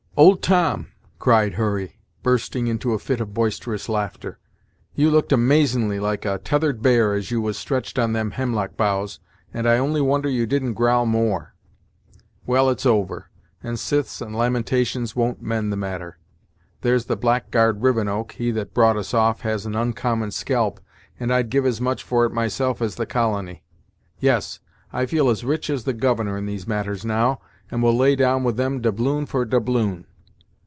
"Old Tom!" cried Hurry, bursting into a fit of boisterous laughter, "you look'd amazin'ly like a tethered bear, as you was stretched on them hemlock boughs, and I only wonder you didn't growl more. Well, it's over, and syth's and lamentations won't mend the matter! There's the blackguard Rivenoak, he that brought us off has an oncommon scalp, and I'd give as much for it myself as the Colony. Yes, I feel as rich as the governor in these matters now, and will lay down with them doubloon for doubloon.